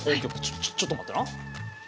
ちょちょっと待ってな。